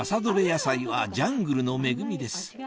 野菜はジャングルの恵みです